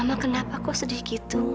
mama kenapa kok sedih gitu